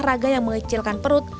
raga yang mengecilkan perut